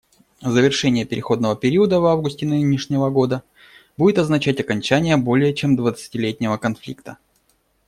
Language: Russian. Завершение переходного периода в августе нынешнего года будет означать окончание более чем двадцатилетнего конфликта.